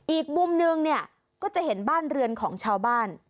อีกมุมนึงเนี่ยก็จะเห็นบ้านเรือนของชาวบ้าน